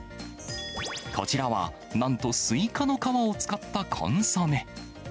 こちらはなんとスイカの皮を使ったコンソメ。